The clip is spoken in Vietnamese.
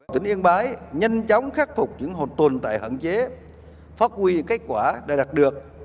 tỉnh yên bái nhanh chóng khắc phục những hồn tồn tại hạn chế phát huy kết quả đã đạt được